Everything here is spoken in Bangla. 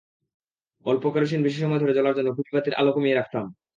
অল্প কেরোসিনে বেশি সময় ধরে জ্বলার জন্য কুপি বাতির আলো কমিয়ে রাখতাম।